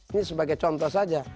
ini sebagai contoh saja